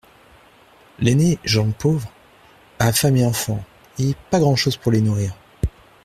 L'aîné, Jean le Pauvre, a femme et enfants, et pas grand'chose pour les nourrir.